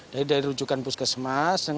dari rujukan puskesmas